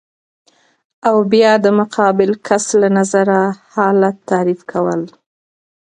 او بیا د مقابل کس له نظره حالت تعریف کول